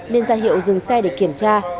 nên ra hiệu dừng xe để kiểm tra